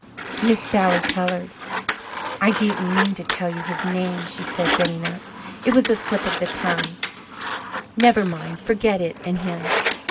Miss Sally coloured. "I didn't mean to tell you his name," she said, getting up. "It was a slip of the tongue. Never mind forget it and him.